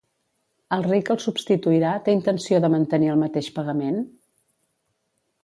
El rei que el substituirà té intenció de mantenir el mateix pagament?